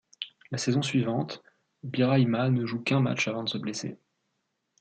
La saison suivante, Birahima ne joue qu'un match avant de se blesser.